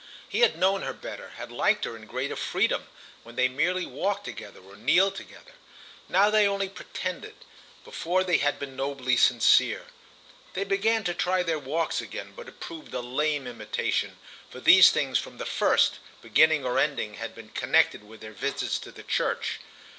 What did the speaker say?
He had known her better, had liked her in greater freedom, when they merely walked together or kneeled together. Now they only pretended; before they had been nobly sincere. They began to try their walks again, but it proved a lame imitation, for these things, from the first, beginning or ending, had been connected with their visits to the church.